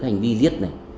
cái hành vi giết này